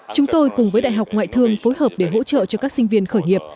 chúng tôi cùng với đại học ngoại thương phối hợp để hỗ trợ cho các sinh viên khởi nghiệp